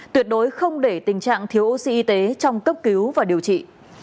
tuyệt đối không để tình trạng thiếu oxy y tế trong cấp cứu và điều trị